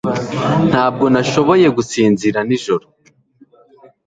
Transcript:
Ntabwo nashoboye gusinzira nijoro.